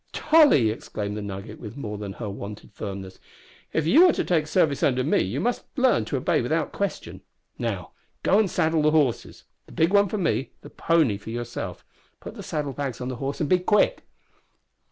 "Tolly," exclaimed the Nugget, with more than her wonted firmness, "if you are to take service under me you must learn to obey without question. Now, go and saddle the horses. The big one for me, the pony for yourself. Put the saddle bags on the horse, and be quick."